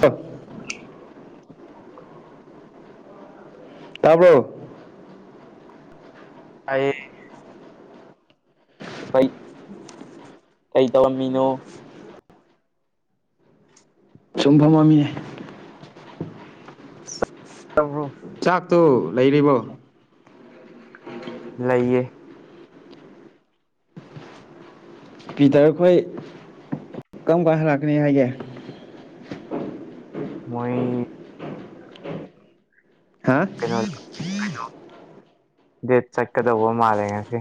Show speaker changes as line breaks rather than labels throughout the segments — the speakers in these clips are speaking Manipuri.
ꯇꯞ ꯇꯥꯕꯣ
ꯑꯩ ꯀꯩ ꯀꯩ ꯇꯔꯝꯃꯤꯅꯣ
ꯁꯨꯝꯐꯝ ꯃꯃꯤꯅꯦ
ꯇ꯭ꯔꯣ
ꯆꯥꯛꯇꯣ ꯂꯩꯔꯤꯕꯔꯤꯕꯣ
ꯂꯩꯌꯦ
ꯄꯤꯇꯔ ꯑꯩꯈꯣꯏ ꯀꯔꯝ ꯀꯥꯟ ꯍꯜꯂꯛꯀꯅꯤ ꯍꯥꯏꯒꯦ
ꯃꯣꯏ
ꯍꯥ
ꯗꯠ ꯆꯛ ꯀꯗꯕꯨ ꯃꯥꯔꯦ ꯉꯦ ꯁꯤ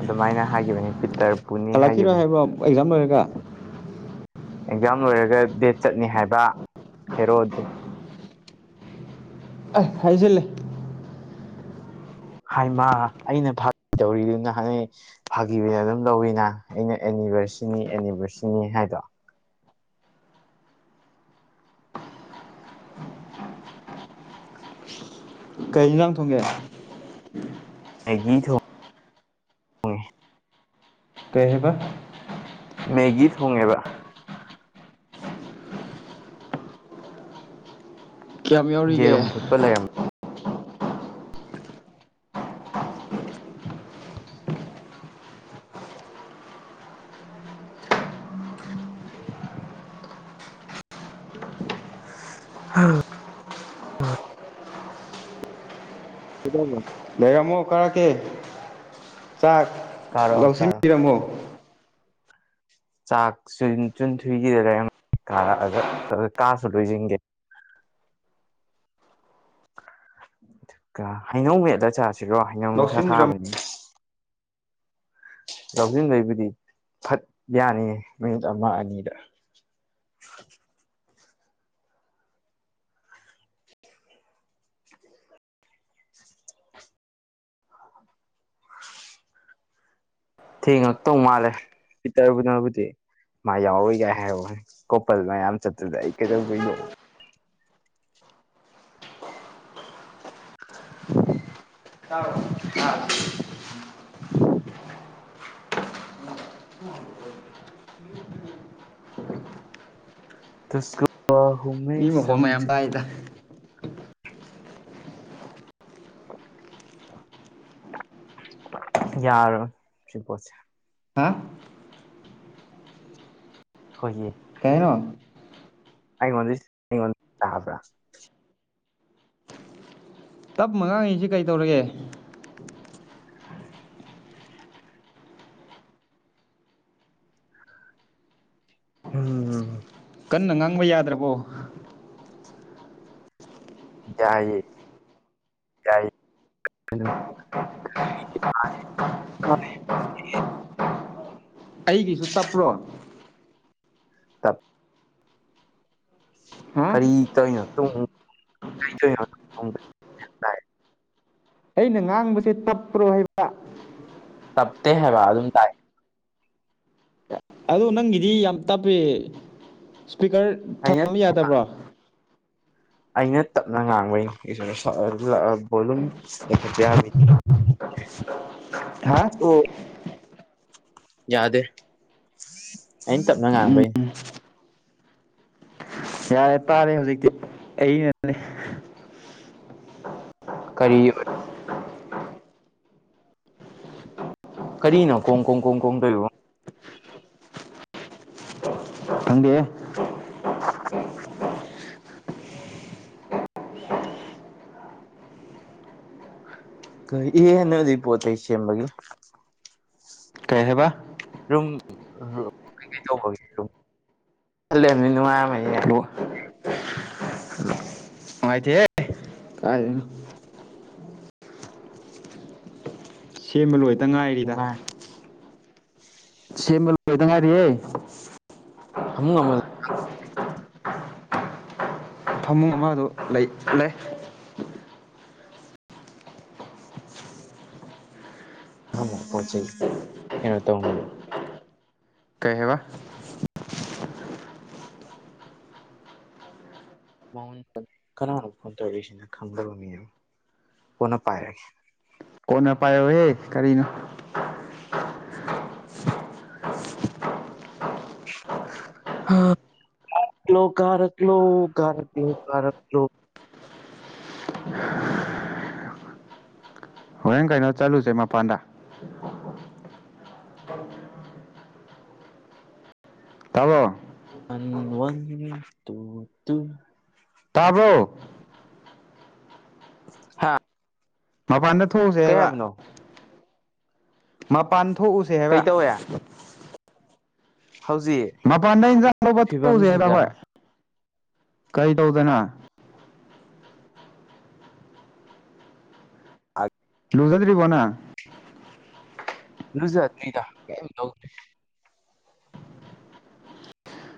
ꯑꯗꯨꯃꯥꯏꯅ ꯍꯥꯏꯈꯤꯕꯅꯤ
ꯍꯜꯂꯛꯈꯤꯔꯣ ꯍꯥꯏꯕ꯭ꯔꯣ ꯑꯦꯛꯖꯥꯝ ꯂꯣꯏꯔꯒ
ꯑꯦꯛꯖꯥꯝ ꯂꯣꯏꯔꯒ ꯗꯦꯠ ꯆꯠꯅꯤ ꯍꯥꯏꯕ ꯍꯦꯔꯣ ꯑꯗꯨ
ꯑ ꯍꯥꯏꯁꯤꯂꯦ
ꯍꯥꯏꯃ ꯑꯩꯅ ꯐꯥꯒꯤ ꯇꯧꯔꯤꯗꯨꯅ ꯍꯥꯟꯅꯩ ꯐꯥꯒꯤꯗ ꯑꯗꯨꯝ ꯂꯧꯋꯤꯅ ꯑꯩꯅ ꯑꯦꯅꯤꯚꯔꯁꯔꯤꯅꯤ ꯑꯦꯅꯤꯚꯔꯁꯔꯤꯅꯤ ꯍꯥꯏꯗꯣ
ꯀꯩ ꯅꯨꯟꯖꯥꯡ ꯊꯣꯡꯒꯦ
ꯃ ꯒꯤ ꯊ ꯍ
ꯀꯩꯕ
ꯃꯦꯒꯤ ꯊꯣꯡꯉꯦꯕ ꯎ
ꯀꯌꯥꯝ ꯌꯥꯎꯔꯤꯒꯦ
ꯌꯦꯔꯨꯝ ꯐꯨꯠꯄ ꯂꯩꯔꯝꯃꯦ ꯑ ꯀꯗ
ꯂꯩꯔꯝꯃꯣ ꯀꯔꯛꯀꯦ ꯆꯥꯛ
ꯀꯥꯔꯛꯑꯣ ꯀꯥꯔꯛꯑꯣ
ꯂꯧꯁꯤꯟꯕꯤꯔꯝꯃꯣ
ꯆꯥꯛ ꯆꯨꯟꯊꯨꯒꯤꯗ ꯂꯩꯔꯝ ꯀꯥꯔꯛꯑꯒ ꯀꯥꯁꯨ ꯂꯣꯏꯁꯤꯟꯒꯦ ꯀ ꯍꯩꯅꯧ ꯃꯦꯗ ꯆꯥꯁꯤꯔꯣ ꯍꯩꯅꯧ ꯅꯨꯡꯁꯥ
ꯂꯧꯁꯤꯟꯕꯤꯔꯝꯃꯣ
ꯊꯥꯕꯅꯤ ꯂꯧꯁꯤꯟꯕꯩꯕꯨꯗꯤ ꯐꯠ ꯌꯥꯅꯤꯌꯦꯦ ꯃꯤꯅꯤꯠ ꯑꯃ ꯑꯅꯤꯗ
ꯑ
ꯊꯦꯡꯉꯛꯇꯧ ꯃꯥꯜꯂꯦ ꯄꯤꯇꯔꯕꯨꯅꯕꯨꯗꯤ ꯃꯥ ꯌꯥꯎꯔꯏꯒꯥꯏ ꯍꯥꯏꯔꯣꯏ ꯀꯣꯄꯜ ꯃꯌꯥꯝ ꯆꯠꯇꯨꯗ ꯑꯩ ꯀꯩꯗꯧꯗꯣꯏꯗꯣ
ꯏꯇꯥꯎ ꯃꯤ ꯃꯈꯣꯟ ꯃꯌꯥꯝ ꯇꯥꯏꯗ
[unintelligible] ꯌꯥꯔꯣ ꯁꯤ ꯀꯣꯁꯦ
ꯍꯥ
ꯍꯣꯏꯌꯦ
ꯀꯩꯅꯣ
[unintelligible] [inaudible]
ꯇꯞ ꯃꯉꯥꯡꯉꯩꯁꯤ ꯀꯩ ꯇꯧꯔꯒꯦ
ꯎꯝ
ꯀꯟꯅ ꯉꯥꯡꯕ ꯌꯥꯗ꯭ꯔꯕꯣ
ꯌꯥꯏꯌꯦ ꯌꯥꯏ [unintelligible] [unintelligible] [inaudible]
ꯑꯩꯒꯤꯁꯨ ꯇꯞꯄ꯭ꯔꯣ ꯍꯥ
ꯀꯔꯤ ꯀꯧꯅꯣ ꯇꯨꯡ ꯀꯔꯤꯅꯣ [unintelligible]
ꯑꯩꯅ ꯉꯥꯡꯕꯁꯦ ꯇꯞꯄ꯭ꯔꯣ ꯍꯥꯏꯕ
ꯇꯞꯇꯦ ꯍꯥꯏꯕ ꯑꯗꯨꯝ ꯇꯥꯏ
ꯑꯗꯣ ꯅꯪꯒꯤꯗꯤ ꯌꯥꯝ ꯇꯞꯄꯤ ꯏꯁꯄꯤꯀꯔ
ꯑꯩꯅ
ꯊꯝ ꯌꯥꯗꯕ꯭ꯔꯣ
ꯑꯩꯅ ꯇꯞꯅ ꯉꯥꯡꯕꯩꯅꯤ ꯕꯣꯂꯨꯝ ꯂꯩꯈꯠꯄ ꯌꯥꯕꯅꯤ
ꯍꯥ
ꯌꯥꯗꯦ ꯑꯩꯅ ꯇꯞꯅ
ꯎꯝ
ꯉꯥꯡꯕꯩꯅꯦ
ꯌꯥꯔꯦ ꯇꯥꯔꯦ ꯍꯧꯖꯤꯛꯇꯤ ꯑꯩꯅꯅꯦ
ꯀꯔꯤ ꯀꯔꯤꯅꯣ ꯀꯣꯡ ꯀꯣꯡ ꯀꯣꯡ ꯀꯣꯡ ꯇꯧꯔꯤꯕ
ꯊꯪꯗꯦ
ꯀ ꯏ ꯅꯖꯤ ꯄꯣ ꯆꯩꯩ ꯁꯦꯝꯕꯒꯤ
ꯀꯩ ꯍꯥꯏꯕ
ꯔꯨꯝ [unintelligible] ꯑꯂꯃꯤ ꯅꯨꯡꯉꯥꯏꯃꯅꯤꯅꯦ
ꯂꯣ ꯅꯨꯡꯉꯥꯏꯇꯦꯍꯦ
[inaudible]
ꯀꯥꯏꯗꯩꯅꯣ ꯁꯦꯝꯕ ꯂꯣꯏꯇ ꯉꯥꯏꯔꯤꯗ
ꯅꯨꯡꯉꯥꯏ [inaudible]
ꯁꯦꯝꯕ ꯂꯣꯏꯗ ꯉꯥꯏꯔꯤꯌꯦ
ꯐꯃꯨꯡ ꯑꯃ
ꯐꯃꯨꯡ ꯑꯃ ꯑꯗꯨ ꯂꯩ ꯂꯩ
ꯑꯃ ꯄꯣꯠ ꯆꯩ ꯀꯩꯅꯣ ꯇꯧꯅꯕ
ꯀꯩ ꯍꯥꯏꯕ
ꯀꯥꯅꯅꯣ ꯐꯣꯟ ꯇꯧꯔꯤꯛꯏꯁꯤꯅ ꯈꯪꯗꯕ ꯃꯤ ꯑꯃ ꯀꯣꯟꯅ ꯄꯥꯏꯔꯒꯦ
ꯀꯣꯟꯅ ꯄꯥꯏꯌꯣꯍꯦ ꯀꯔꯤꯅꯣ
[unintelligible] ꯀꯂꯣ ꯀꯥꯔꯛ ꯂꯣ ꯀꯥꯔꯛ ꯂꯣ ꯀꯥꯔꯛꯂꯣ
ꯍꯣꯏ ꯀꯩꯅꯣ ꯆꯠꯂꯨꯁꯦ ꯃꯄꯥꯟꯗ ꯇꯥꯕ꯭ꯔꯣ
ꯑꯟ ꯋꯥꯟ ꯇꯨ ꯇꯨ
ꯇꯥꯕ꯭ꯔꯣ
ꯍꯥꯥ
ꯃꯄꯥꯟꯗ ꯊꯣꯛꯎꯁꯦ ꯍꯥꯏꯕ ꯃꯄꯥꯟ ꯊꯣꯛꯎꯁꯦ ꯍꯥꯏꯕ
ꯀꯩꯇꯧꯋꯦ ꯍꯧꯖꯤꯛ
ꯃꯄꯥꯟꯗ ꯏꯟꯖꯥꯡ ꯂꯧꯕ ꯊ ꯎꯖꯩꯕ
ꯐꯤꯕꯝꯁꯤꯒ
ꯍꯣꯏ ꯀꯩ ꯇꯧꯗꯅ
ꯑ
ꯂꯣꯛꯣꯛꯖꯗꯔꯤꯔꯤꯕꯅ
ꯔꯨꯖ ꯂꯤꯤꯗ ꯇ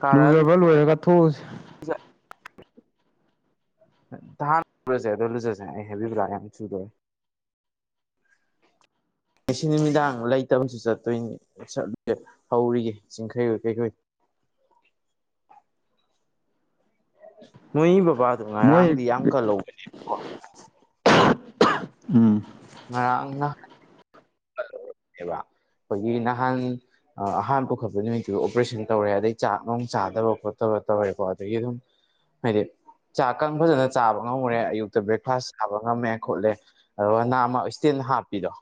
ꯀꯥꯔ
ꯂꯨꯖꯔ ꯐ ꯂꯨ ꯑꯣꯏꯔ ꯀꯊꯣꯁꯤ
ꯅꯍꯥꯟ ꯂꯨꯔꯁꯦ ꯑꯗꯨꯣ ꯂꯨꯖꯁꯦ ꯑꯩ ꯍꯥꯏꯕꯤꯕ꯭ꯔꯥ ꯌꯥꯝ ꯆꯨꯗꯣꯏꯦ ꯉꯁꯤ ꯅꯨꯃꯤꯗꯥꯡ ꯂꯩꯇꯕꯁꯨ ꯆꯠꯇꯣꯏꯅꯤ ꯆꯠꯂꯁꯦ ꯍꯧꯔꯤꯒꯦ ꯆꯤꯡꯈꯩ ꯍ ꯀꯔꯤꯈꯩ
[inaudible]
ꯅꯣꯏꯒꯤ ꯕꯕꯥꯗꯣ
ꯃꯣꯏ
ꯉꯔꯥꯡꯗꯤ ꯌꯥꯝ ꯀꯜꯍꯧꯕꯅꯦꯕꯀꯣ
ꯎꯝ
ꯉꯥꯡꯅ
[inaudible]
ꯑꯦꯕ ꯑꯩꯈꯣꯏꯒꯤ ꯅꯍꯥꯟ ꯑꯍꯥꯟ ꯄꯨꯈꯠꯄ ꯅꯨꯃꯤꯠꯇꯨ ꯑꯣꯄꯔꯦꯁꯟ ꯇꯧꯔꯦ ꯑꯗꯩ ꯆꯥꯛ ꯅꯨꯡꯣꯡ ꯆꯥꯗꯕ ꯈꯣꯠꯇꯕ ꯍꯣ ꯑꯩ ꯑꯗꯨꯝ ꯃꯗꯤ ꯆꯥꯛ ꯀꯪ ꯐꯖꯅ ꯆꯥꯕ ꯉꯝꯃꯨꯔꯦ ꯑꯌꯨꯛꯇ ꯕ꯭ꯔꯦꯛꯐꯥꯁ ꯆꯥꯕ ꯉꯝꯃꯦ ꯈꯣꯠꯂꯦ ꯑꯗꯨꯒ ꯅꯅꯥꯃ ꯏꯁꯇꯦꯟ ꯍꯥ ꯍꯥꯤꯗꯣ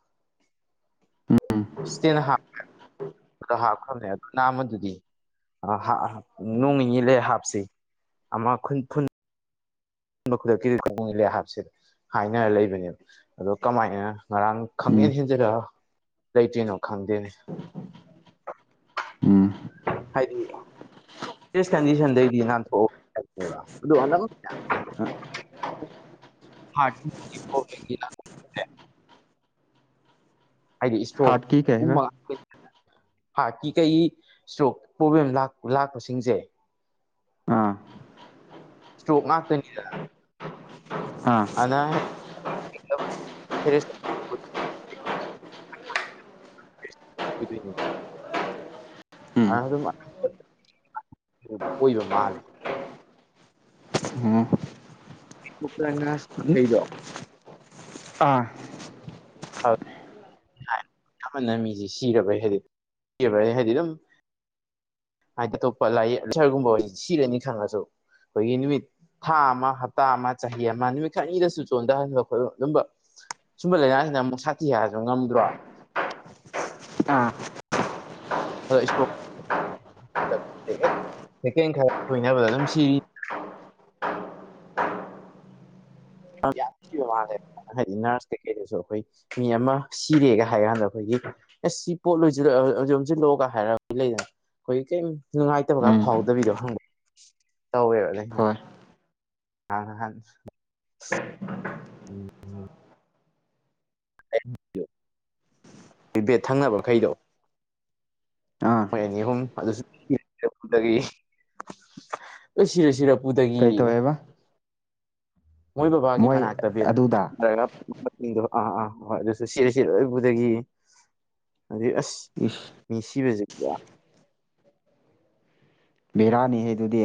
ꯏꯁꯇ ꯍꯥꯞꯈ꯭ꯔꯕꯅꯦ ꯑꯗꯨ ꯅꯅꯥꯃꯗꯨꯗꯤ ꯅꯣꯡ ꯅꯤꯅꯤꯤ ꯂꯩ ꯍꯥꯞꯁꯤ ꯑꯃ ꯐꯟ ꯑ ꯈꯨꯗꯛꯀꯤꯗꯤ ꯀꯂꯦ ꯍꯥꯏꯕꯁꯤꯗ ꯍꯥꯏꯅꯔ ꯂꯩꯕꯅꯦꯕ ꯑꯗꯣ ꯀꯃꯥꯏꯅ ꯉꯔꯥꯡ ꯈꯪ
ꯎꯝ
ꯍꯦꯟ ꯍꯦꯟꯖꯔ ꯂꯩꯇꯣꯏꯅꯣ ꯈꯪꯗꯦꯅꯦ
[inaudible]
ꯍꯥꯏꯗꯤ ꯀꯟꯗꯤꯁꯟꯗꯩꯗꯤ ꯉꯟꯊꯑꯒꯕ ꯑꯗꯨ ꯍꯥ ꯇꯄꯒ ꯍꯥꯏꯗꯤ ꯏꯁꯇ꯭ꯔꯣꯛ
ꯍꯥꯔꯠꯀꯤ ꯀꯩ
ꯎꯨꯡ
ꯍꯥꯏꯕ
ꯃꯉ ꯍꯥꯔꯠꯀꯤ ꯀꯩ ꯏꯁꯇ꯭ꯔꯣꯛ ꯄ꯭ꯔꯣꯕ꯭ꯂꯦꯝ ꯂꯥꯛꯄꯁꯤꯡꯁꯦ
ꯑꯥ
ꯏꯁꯇꯣꯣꯛ ꯉꯥꯛꯇꯅꯤ
ꯑꯥ
ꯐꯔꯁ ꯀ
ꯎꯝ
ꯑꯗꯨ ꯑꯗꯨꯝ ꯀꯣꯏꯕ ꯃꯥꯂꯦ
ꯎꯝ
ꯄꯁ ꯊꯩꯗꯣ
ꯑꯥ
ꯑ ꯅ ꯃꯤꯁꯤ ꯁꯤꯔꯕꯩ ꯍꯥꯏꯗꯤ ꯁꯤꯩ ꯍꯥꯏꯗꯤ ꯑꯗꯨꯝ ꯍꯥꯏꯗꯤ ꯑꯇꯣꯞꯄ ꯂꯥꯏ ꯁꯔꯒꯨꯝꯕ ꯑꯣꯏ ꯁꯤꯔꯅꯤ ꯈꯪꯉꯁꯨ ꯑꯩꯈꯣꯏꯒꯤ ꯅꯨꯃꯤꯠ ꯊꯥ ꯑꯃ ꯍꯞꯇꯥ ꯑꯃ ꯆꯍꯤ ꯑꯃ ꯅꯨꯃꯤꯠ ꯈꯔꯅꯤꯗꯁꯨ ꯆꯣꯟꯊꯍꯟꯕ ꯑꯗꯨꯝꯕ ꯁꯨꯝꯕ ꯂꯥꯏꯅꯥꯁꯤꯅ ꯑꯃꯨꯛ ꯁꯥꯊꯤ ꯍꯥꯏꯔꯁꯨ ꯉꯝꯗ꯭ꯔꯣ
ꯑꯥ
ꯍꯕꯨ ꯁꯦꯀꯦꯟ ꯈꯔ ꯁꯣꯏꯅꯕꯗ ꯑꯗꯨꯝ ꯁꯤꯔꯤ ꯌꯥꯝꯕ ꯃꯥꯜꯂꯦ ꯍꯥꯏꯗꯤ ꯅꯔꯁ ꯀꯩꯀꯩꯗꯁꯨ ꯑꯩꯈꯣꯏ ꯃꯤ ꯑꯃ ꯁꯤꯔꯦꯒ ꯍꯥꯏꯔ ꯀꯥꯟꯗ ꯑꯩꯈꯣꯏꯒꯤ ꯑꯦꯁ ꯁꯤ ꯄꯣꯠ ꯂꯣꯏꯁꯤꯜꯂ ꯍꯧꯖꯤꯛ ꯍꯧꯖꯤꯜꯂꯣꯛꯒ ꯍꯥꯏꯔꯔꯕ ꯂꯩꯗꯅ ꯑꯩꯈꯣꯏꯒꯤ ꯀꯩ ꯅꯨꯡꯉꯥꯏꯇꯕ ꯈꯔ
ꯎꯝ
ꯐꯥꯎꯗꯕꯤꯗꯣ ꯍꯪꯕ ꯇꯧꯋꯦꯕ ꯂꯩ
ꯍꯣꯏ
ꯑ ꯍ ꯎꯝ ꯐ ꯚꯦꯠ ꯊꯪꯅꯕ ꯃꯈꯩꯗꯣ
ꯑꯥ
ꯍꯣꯏ ꯑꯅꯤ ꯑꯍꯨꯝ ꯑꯗꯨꯁꯨꯗꯒꯤ ꯑꯣꯏ ꯁꯤꯔꯦ ꯁꯤꯔꯄꯗꯒꯤ
ꯀꯩ ꯇꯧꯋꯦꯕ
ꯃꯣꯏ ꯕꯕꯥꯒꯤ ꯃꯅꯥꯛꯇꯠꯇ
ꯑꯗꯨꯗ
ꯑꯥ ꯑꯥ ꯍꯣꯏ ꯑꯗꯨꯁꯨ ꯁꯤꯔ ꯁꯤ ꯂꯣꯏꯕꯗꯒꯤ ꯑꯗꯨꯩ ꯑꯁ
ꯏꯁ
ꯃꯤ ꯁꯤꯕꯕꯁꯤ
ꯕꯤꯦꯔꯥꯅꯤ ꯍꯥꯏ ꯑꯗꯨꯗꯤ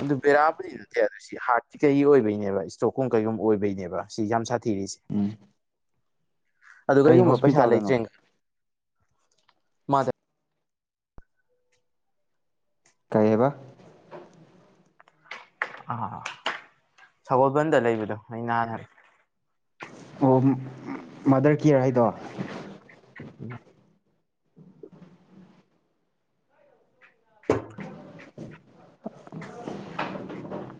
ꯑꯗꯨ ꯕꯦꯔꯥꯕꯨꯨꯗꯤ ꯅꯠꯇꯦ ꯑꯗꯨ ꯁꯤ ꯍꯥꯔꯠꯁꯤꯤ ꯀꯩ ꯑꯣꯏꯕꯩꯅꯦꯕ ꯏꯁꯇ꯭ꯔꯣꯛꯀꯨꯝ ꯀꯩꯒꯨꯝꯕ ꯑꯣꯏꯕꯩꯅꯦꯕ ꯁꯤ ꯌꯥꯝ ꯁꯥ ꯊꯤꯔꯤꯁꯦ
ꯎꯝ
ꯑꯗꯨ
ꯀꯩ
ꯀꯩꯒꯨꯝꯕ ꯄꯩꯁꯥ
ꯍꯣꯁꯄꯤꯇꯥꯜꯗꯅꯣ
ꯂꯩꯇ꯭ꯔꯦꯒ ꯃꯥꯗ
ꯀꯥꯏꯍꯦꯕ
ꯑꯥ ꯁꯒꯣꯜꯕꯟꯗ ꯂꯩꯕꯗꯣ ꯑꯩ ꯅꯍꯥꯟꯔ
ꯑꯣ ꯃꯥꯗꯔ ꯀꯤꯌꯔ ꯍꯥꯏꯗꯣ
ꯎꯝ [inaudible]
[inaudible]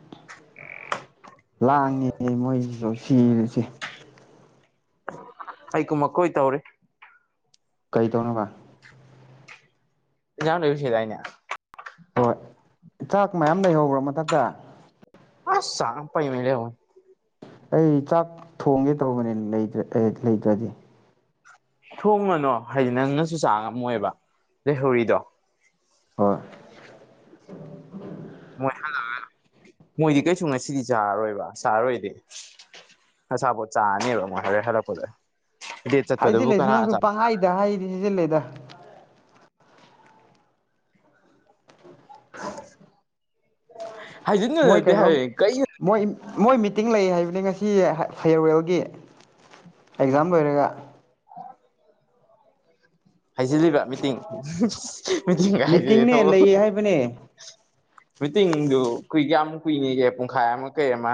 ꯂꯥꯡꯉꯦ ꯃꯣꯏꯒꯤꯁꯨ ꯁꯤꯔꯨꯁꯦ
ꯑꯩ ꯀꯨꯃ ꯀꯣꯏꯇꯥꯕꯔꯤ
ꯀꯩꯗꯧꯅꯕ
ꯌꯥꯗ ꯁ ꯌꯥꯥꯏꯅ
ꯍꯣꯏ ꯆꯥꯛ ꯃꯌꯥꯝ ꯂꯩꯍꯧꯕ꯭ꯔꯣ ꯃꯊꯛꯇ
ꯑꯥꯁ ꯁ ꯄꯥꯏ ꯃ ꯂꯩꯕ
ꯑꯩ ꯆꯥꯛ ꯊꯣꯡꯒꯦ ꯇꯧꯕꯅꯦ꯭ꯔ ꯑꯦ ꯂꯩꯇ꯭ꯔꯗꯤ
ꯊꯣꯡꯉꯅꯣ ꯍꯥꯏꯗꯤ ꯅꯪꯅꯁꯨ ꯆꯥ ꯉꯝꯃꯣꯏꯕ ꯂꯩꯍꯧꯔꯤꯗꯣ
ꯍꯣꯏ
ꯃꯣꯏ ꯍꯜꯂꯛꯑ ꯃꯣꯏꯗꯤ ꯀꯩꯁꯨ ꯉꯁꯤꯗꯤ ꯆꯥꯔꯔꯣꯏꯕ ꯆꯥꯔꯔꯣꯏꯗꯤ ꯑꯁꯥꯄꯣ ꯆꯥꯅꯤꯕ ꯍ ꯍꯥꯂꯄꯣꯗ
ꯍꯥꯏꯖꯤꯜꯂꯁꯨ ꯅꯪꯁꯨ ꯄꯪꯍꯥꯏꯗ ꯍꯥꯏꯔꯤꯗꯤ ꯁꯤꯖꯤꯜꯂꯦꯗ ꯃꯣꯏ
ꯍꯥꯏꯖꯗꯠꯇ
ꯀꯩꯅꯣꯝ
ꯍꯥꯏ ꯀ
ꯃꯣꯏ ꯃꯣꯏ ꯃꯤꯇꯤꯡ ꯂꯩ ꯍꯥꯏꯕꯅꯤ ꯉꯁꯤ ꯐꯤꯌꯔꯋꯦꯜꯒꯤ ꯑꯦꯛꯖꯥꯝ ꯂꯣꯏꯔꯒ
ꯍꯥꯏꯖꯤꯜꯂꯤꯕ꯭ꯔꯥ ꯃꯤꯇꯤꯡ ꯃꯤꯇꯤꯡꯒ ꯍꯥꯏꯖꯤꯂꯦ
ꯃꯤꯇꯤꯡꯅꯦ
ꯊꯣꯛꯑꯣ
ꯂꯩꯌꯦ ꯍꯥꯏꯕꯅꯦ
ꯃꯤꯇꯤꯡꯗꯨ ꯀꯨꯏ ꯀꯌꯥꯝ ꯀꯨꯏꯅꯤꯒꯦ ꯄꯨꯡꯈꯥꯏ ꯑꯃ ꯀꯩ ꯑꯃ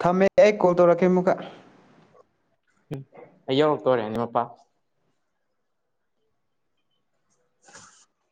ꯊꯝꯃꯦ ꯑꯩ ꯀꯣꯜ ꯇꯧꯔꯛꯀꯦ ꯑꯃꯨꯛꯀ
ꯎꯝ ꯑꯣ ꯍ ꯇꯣꯔꯔꯦ ꯅꯤꯡꯃꯄꯥ [inaudible]